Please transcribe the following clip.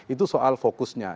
itu soal fokusnya